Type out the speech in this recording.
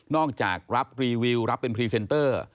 จากรับรีวิวรับเป็นพรีเซนเตอร์